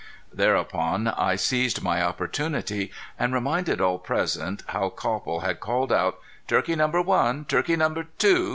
Thereupon I seized my opportunity and reminded all present how Copple had called out: "Turkey number one! Turkey number two!"